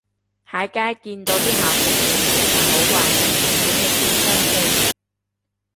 喺街見到啲校服妹妹就好懷緬自己嘅青春歲月